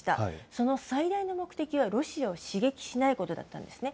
その最大の目的は、ロシアを刺激しないことだったんですね。